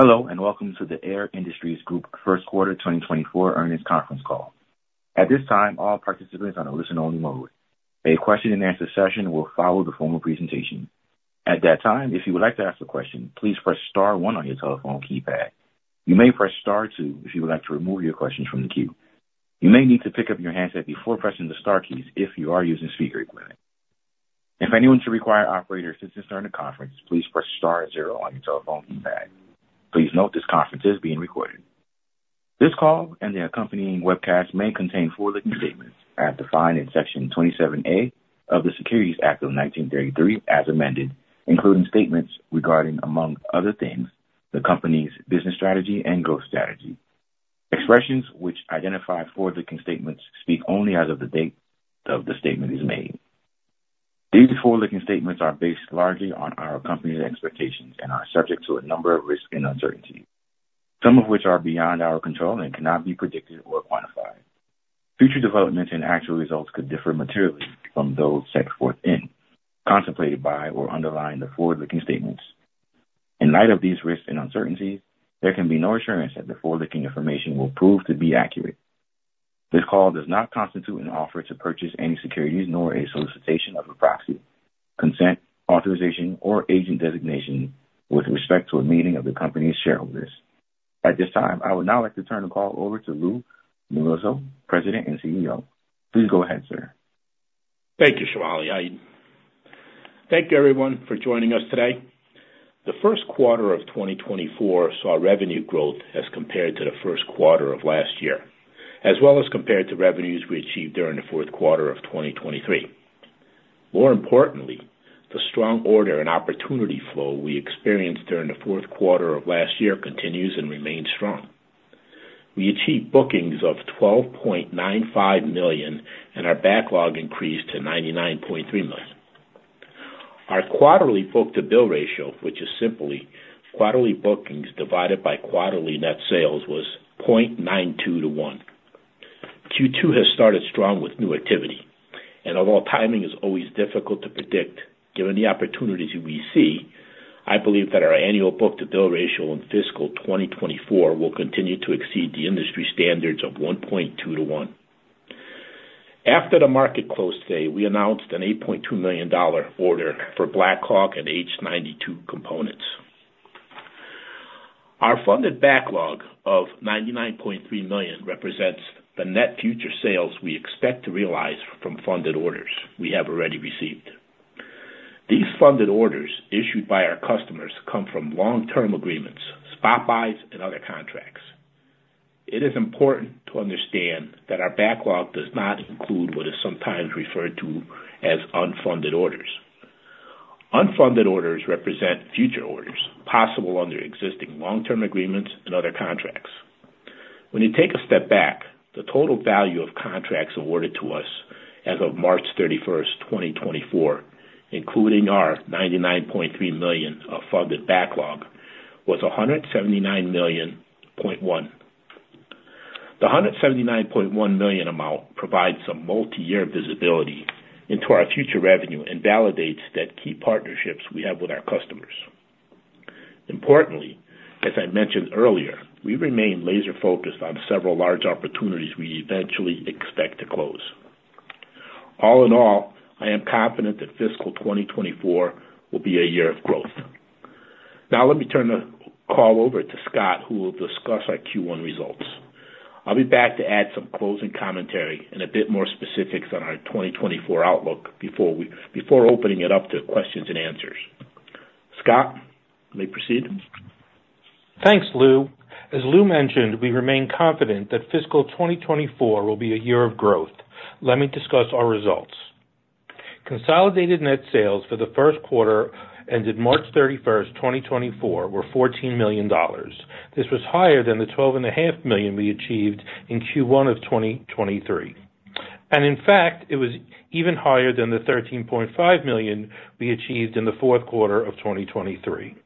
Hello, and welcome to the Air Industries Group Q1 2024 Earnings Conference Call. At this time, all participants are on a listen-only mode. A question-and-answer session will follow the formal presentation. At that time, if you would like to ask a question, please press star one on your telephone keypad. You may press star two if you would like to remove your questions from the queue. You may need to pick up your handset before pressing the star keys if you are using speaker equipment. If anyone should require operator assistance during the conference, please press star zero on your telephone keypad. Please note this conference is being recorded. This call and the accompanying webcast may contain forward-looking statements as defined in Section 27A of the Securities Act of 1933, as amended, including statements regarding, among other things, the company's business strategy and growth strategy. Expressions which identify forward-looking statements speak only as of the date of the statement is made. These forward-looking statements are based largely on our company's expectations and are subject to a number of risks and uncertainties, some of which are beyond our control and cannot be predicted or quantified. Future developments and actual results could differ materially from those set forth in, contemplated by, or underlying the forward-looking statements. In light of these risks and uncertainties, there can be no assurance that the forward-looking information will prove to be accurate. This call does not constitute an offer to purchase any securities, nor a solicitation of a proxy, consent, authorization, or agent designation with respect to a meeting of the company's shareholders. At this time, I would now like to turn the call over to Lou Melluzzo, President and CEO. Please go ahead, sir. Thank you, Shamali. Thank you everyone for joining us today. The Q1 of 2024 saw revenue growth as compared to the Q1 of last year, as well as compared to revenues we achieved during the Q4 of 2023. More importantly, the strong order and opportunity flow we experienced during the Q4 of last year continues and remains strong. We achieved bookings of $12.95 million, and our backlog increased to $99.3 million. Our quarterly book-to-bill ratio, which is simply quarterly bookings divided by quarterly net sales, was 0.92 to 1. Q2 has started strong with new activity, and although timing is always difficult to predict, given the opportunities we see, I believe that our annual book-to-bill ratio in fiscal 2024 will continue to exceed the industry standards of 1.2 to 1. After the market closed today, we announced an $8.2 million order for Black Hawk and H-92 components. Our funded backlog of $99.3 million represents the net future sales we expect to realize from funded orders we have already received. These funded orders, issued by our customers, come from long-term agreements, spot buys, and other contracts. It is important to understand that our backlog does not include what is sometimes referred to as unfunded orders. Unfunded orders represent future orders possible under existing long-term agreements and other contracts. When you take a step back, the total value of contracts awarded to us as of March thirty-first, 2024, including our $99.3 million of funded backlog, was $179.1 million. The $179.1 million amount provides some multiyear visibility into our future revenue and validates that key partnerships we have with our customers. Importantly, as I mentioned earlier, we remain laser focused on several large opportunities we eventually expect to close. All in all, I am confident that fiscal 2024 will be a year of growth. Now, let me turn the call over to Scott, who will discuss our Q1 results. I'll be back to add some closing commentary and a bit more specifics on our 2024 outlook before opening it up to questions and answers. Scott, may proceed. Thanks, Lou. As Lou mentioned, we remain confident that fiscal 2024 will be a year of growth. Let me discuss our results. Consolidated net sales for the Q1, ended March 31, 2024, were $14 million. This was higher than the $12.5 million we achieved in Q1 of 2023, and in fact, it was even higher than the $13.5 million we achieved in the Q4 of 2023.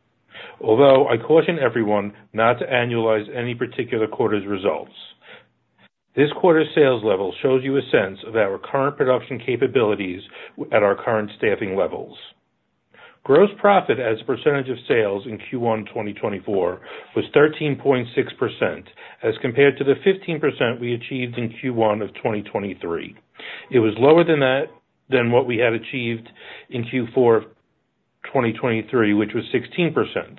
Although I caution everyone not to annualize any particular quarter's results, this quarter's sales level shows you a sense of our current production capabilities at our current staffing levels. Gross profit as a percentage of sales in Q1 2024 was 13.6%, as compared to the 15% we achieved in Q1 of 2023. It was lower than that- than what we had achieved in Q4 2023, which was 16%.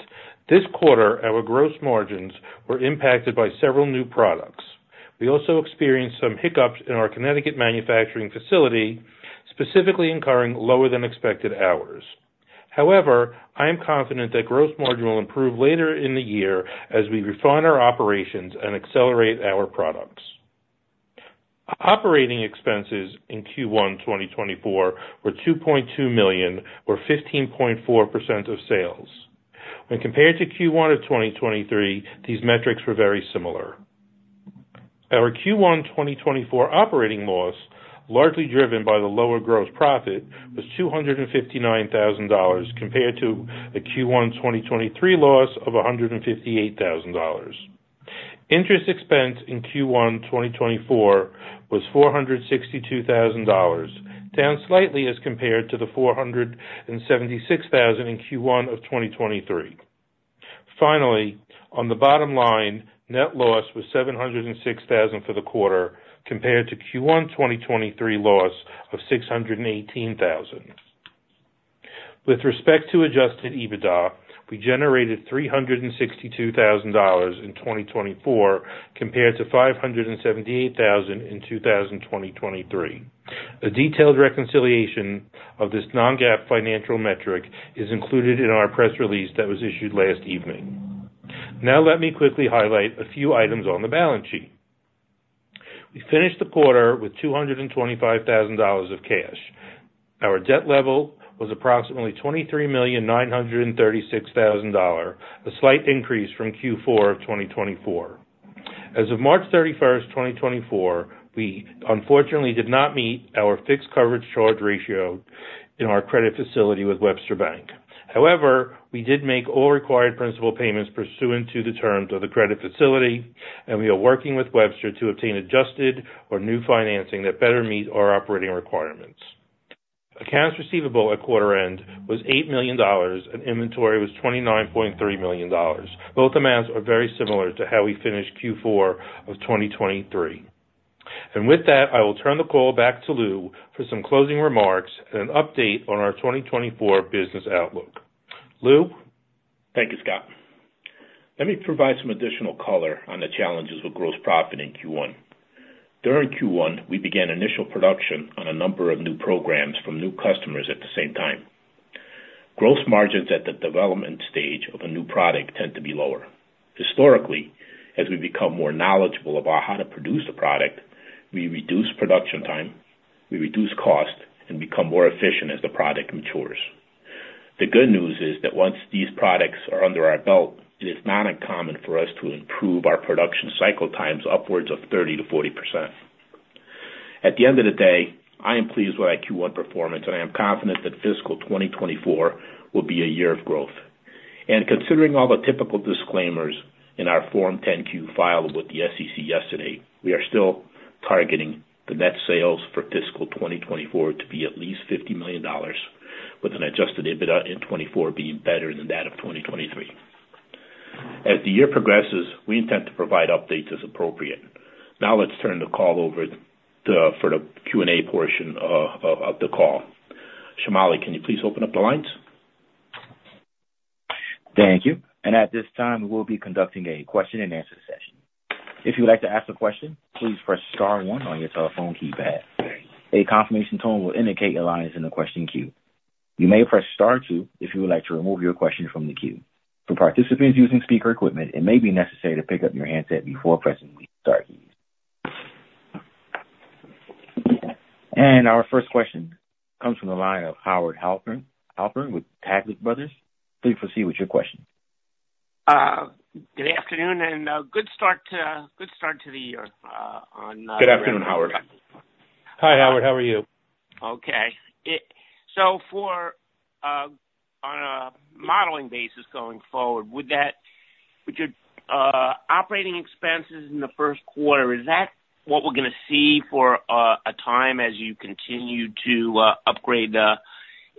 This quarter, our gross margins were impacted by several new products. We also experienced some hiccups in our Connecticut manufacturing facility, specifically incurring lower than expected hours. However, I am confident that gross margin will improve later in the year as we refine our operations and accelerate our products. Operating expenses in Q1 2024 were $2.2 million, or 15.4% of sales. When compared to Q1 of 2023, these metrics were very similar. Our Q1 2024 operating loss, largely driven by the lower gross profit, was $259,000, compared to a Q1 2023 loss of $158,000. Interest expense in Q1 2024 was $462,000, down slightly as compared to the $476,000 in Q1 of 2023. Finally, on the bottom line, net loss was $706,000 for the quarter, compared to Q1 2023 loss of $618,000. With respect to Adjusted EBITDA, we generated $362,000 in 2024, compared to $578,000 in 2023. A detailed reconciliation of this non-GAAP financial metric is included in our press release that was issued last evening. Now, let me quickly highlight a few items on the balance sheet. We finished the quarter with $225,000 of cash. Our debt level was approximately $23,936,000, a slight increase from Q4 of 2024. As of March 31, 2024, we unfortunately did not meet our fixed charge coverage ratio in our credit facility with Webster Bank. However, we did make all required principal payments pursuant to the terms of the credit facility, and we are working with Webster to obtain adjusted or new financing that better meet our operating requirements. Accounts receivable at quarter end was $8 million, and inventory was $29.3 million. Both amounts are very similar to how we finished Q4 of 2023. And with that, I will turn the call back to Lou for some closing remarks and an update on our 2024 business outlook. Lou? Thank you, Scott. Let me provide some additional color on the challenges with gross profit in Q1. During Q1, we began initial production on a number of new programs from new customers at the same time. Gross margins at the development stage of a new product tend to be lower. Historically, as we become more knowledgeable about how to produce a product, we reduce production time, we reduce cost, and become more efficient as the product matures. The good news is that once these products are under our belt, it is not uncommon for us to improve our production cycle times upwards of 30%-40%. At the end of the day, I am pleased with our Q1 performance, and I am confident that fiscal 2024 will be a year of growth. Considering all the typical disclaimers in our Form 10-Q filed with the SEC yesterday, we are still targeting the net sales for fiscal 2024 to be at least $50 million, with an Adjusted EBITDA in 2024 being better than that of 2023. As the year progresses, we intend to provide updates as appropriate. Now, let's turn the call over to the Q&A portion of the call. Shamali, can you please open up the lines? Thank you. And at this time, we'll be conducting a question-and-answer session. If you would like to ask a question, please press star one on your telephone keypad. A confirmation tone will indicate your line is in the question queue. You may press star two if you would like to remove your question from the queue. For participants using speaker equipment, it may be necessary to pick up your handset before pressing star key. And our first question comes from the line of Howard Halpern with Taglich Brothers. Please proceed with your question. Good afternoon, and good start to the year, on- Good afternoon, Howard. Hi, Howard. How are you? Okay. So for on a modeling basis going forward, would your operating expenses in the Q1 is that what we're gonna see for a time as you continue to upgrade the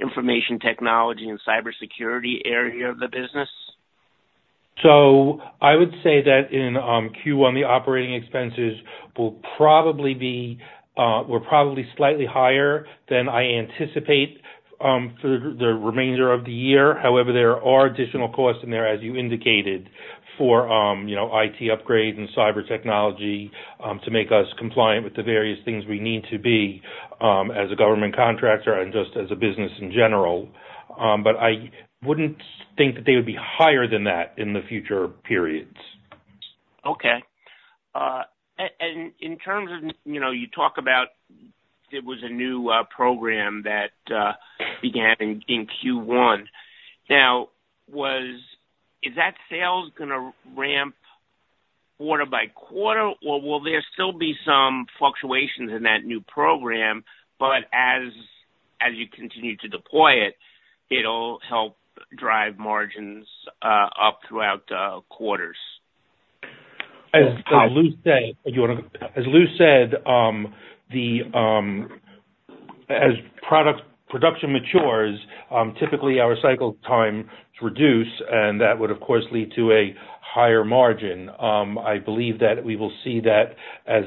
information technology and cybersecurity area of the business? So I would say that in Q1, the operating expenses will probably be were probably slightly higher than I anticipate for the remainder of the year. However, there are additional costs in there, as you indicated, for you know, IT upgrades and cyber technology to make us compliant with the various things we need to be as a government contractor and just as a business in general. But I wouldn't think that they would be higher than that in the future periods. Okay. And in terms of, you know, you talk about there was a new program that began in Q1. Now, was... Is that sales gonna ramp quarter by quarter, or will there still be some fluctuations in that new program, but as you continue to deploy it, it'll help drive margins up throughout the quarters? As Lou said, as product production matures, typically our cycle times reduce, and that would of course lead to a higher margin. I believe that we will see that as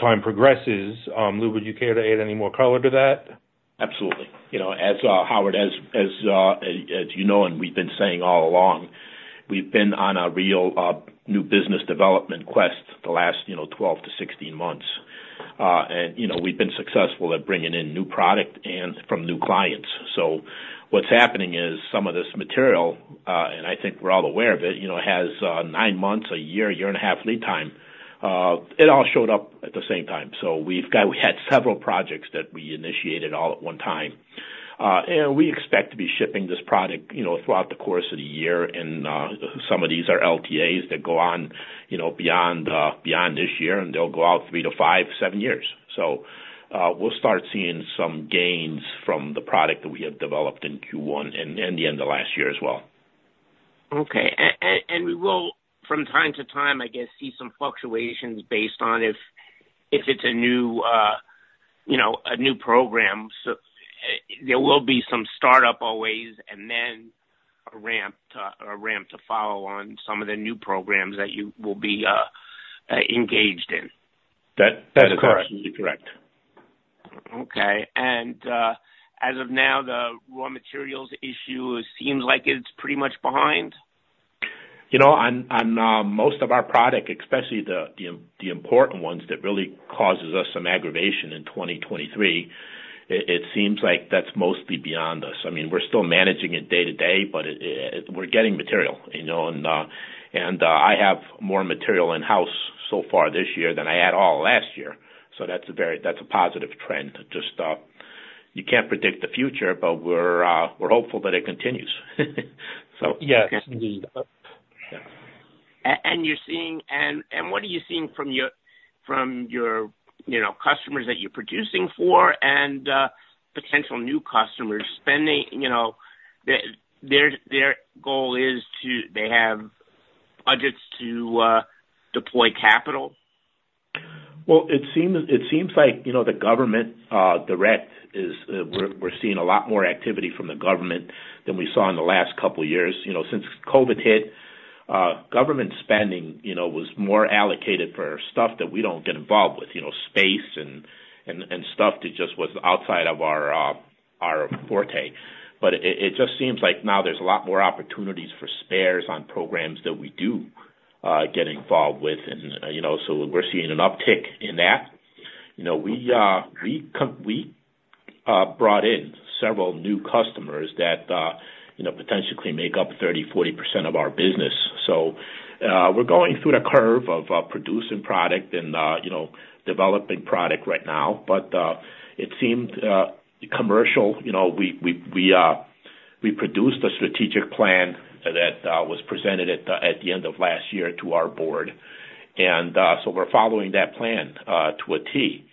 time progresses. Lou, would you care to add any more color to that? Absolutely. You know, as Howard, as you know, and we've been saying all along, we've been on a real new business development quest for the last, you know, 12-16 months. And, you know, we've been successful at bringing in new product and from new clients. So what's happening is some of this material, and I think we're all aware of it, you know, has 9 months, 1 year, 1.5 years lead time. It all showed up at the same time. So we had several projects that we initiated all at one time. We expect to be shipping this product, you know, throughout the course of the year and some of these are LTAs that go on, you know, beyond beyond this year, and they'll go out 3-5, 7 years. We'll start seeing some gains from the product that we have developed in Q1 and the end of last year as well. Okay. And we will, from time to time, I guess, see some fluctuations based on if it's a new, you know, a new program. So there will be some startup always, and then a ramp to follow on some of the new programs that you will be engaged in. That, that's absolutely correct. Okay. And, as of now, the raw materials issue seems like it's pretty much behind? You know, most of our product, especially the important ones that really causes us some aggravation in 2023, it seems like that's mostly beyond us. I mean, we're still managing it day to day, but we're getting material, you know, and I have more material in-house so far this year than I had all of last year, so that's a positive trend. Just, you can't predict the future, but we're hopeful that it continues. So yeah. Indeed. Yeah. And you're seeing... And what are you seeing from your, you know, customers that you're producing for and potential new customers spending? You know, their goal is to—they have budgets to deploy capital. Well, it seems like, you know, the government direct is, we're seeing a lot more activity from the government than we saw in the last couple years. You know, since COVID hit, government spending, you know, was more allocated for stuff that we don't get involved with, you know, space and stuff that just was outside of our, our forte. But it just seems like now there's a lot more opportunities for spares on programs that we do get involved with and, you know, so we're seeing an uptick in that. You know, we brought in several new customers that, you know, potentially make up 30%-40% of our business. So, we're going through the curve of producing product and, you know, developing product right now. But it seemed commercial, you know, we produced a strategic plan that was presented at the end of last year to our board. And so we're following that plan to a T.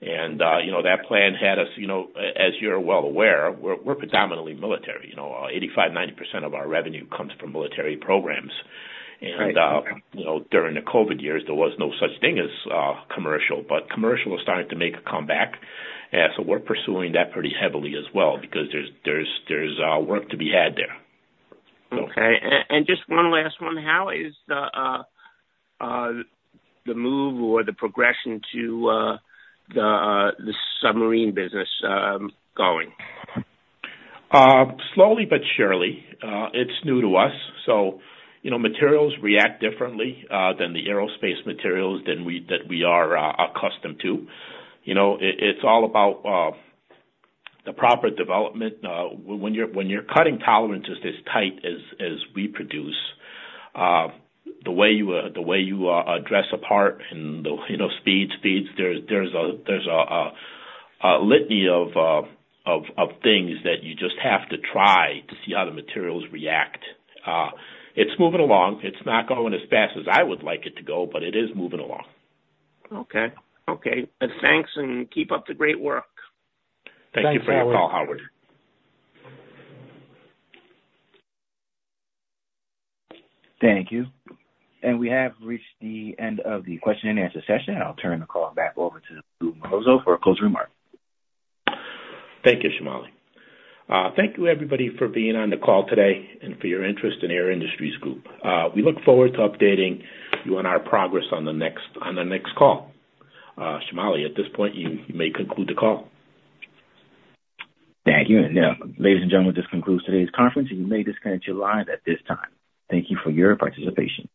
And you know, that plan had us, you know, as you're well aware, we're predominantly military. You know, 85%-90% of our revenue comes from military programs. Right. You know, during the COVID years, there was no such thing as commercial, but commercial is starting to make a comeback, and so we're pursuing that pretty heavily as well, because there's work to be had there. Okay. And just one last one. How is the move or the progression to the submarine business going? Slowly but surely. It's new to us, so, you know, materials react differently than the aerospace materials that we are accustomed to. You know, it's all about the proper development. When you're cutting tolerances as tight as we produce, the way you address a part and the, you know, speeds, there's a litany of things that you just have to try to see how the materials react. It's moving along. It's not going as fast as I would like it to go, but it is moving along. Okay. Okay. And thanks, and keep up the great work. Thank you for your call, Howard. Thank you. We have reached the end of the question and answer session. I'll turn the call back over to Lou Melluzzo for a closing remark. Thank you, Shamali. Thank you, everybody, for being on the call today and for your interest in Air Industries Group. We look forward to updating you on our progress on the next call. Shamali, at this point, you may conclude the call. Thank you. Now, ladies and gentlemen, this concludes today's conference. You may disconnect your lines at this time. Thank you for your participation.